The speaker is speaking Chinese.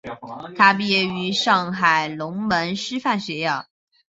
他毕业于上海龙门师范学校。